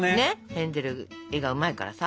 ヘンゼル絵がうまいからさ。